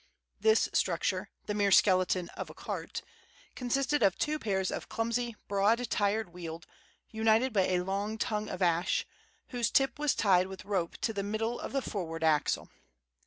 This structure, the mere skeleton of a cart, consisted of two pairs of clumsy, broad tired wheels, united by a long tongue of ash, whose tip was tied with rope to the middle of the forward axle.